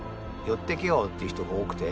「寄ってけよ」っていう人が多くて。